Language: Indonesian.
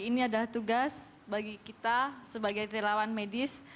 ini adalah tugas bagi kita sebagai relawan medis